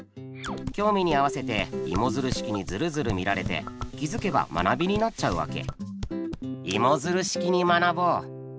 興味に合わせてイモヅル式にヅルヅル見られて気づけば学びになっちゃうわけ。